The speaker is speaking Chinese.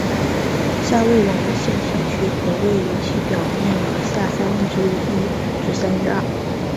下位笼的腺体区可位于其内表面的下三分之一至三分之二。